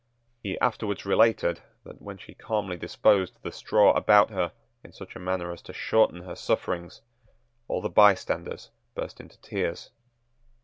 He afterwards related that, when she calmly disposed the straw about her in such a manner as to shorten her sufferings, all the bystanders burst into tears.